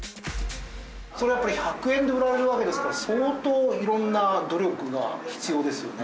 それはやっぱり１００円で売られるわけですから相当色んな努力が必要ですよね？